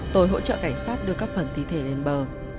tôi hỗ trợ cảnh sát đưa các phần thi thể lên bờ